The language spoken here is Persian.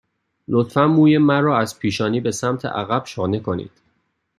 لطفاً موی مرا از پیشانی به سمت عقب شانه کنید.